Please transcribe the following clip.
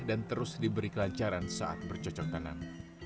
dan terus diberi kelancaran saat bercocok tanam